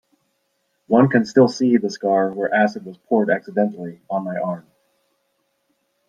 One can still see the scar where the acid was accidentally poured on my arm.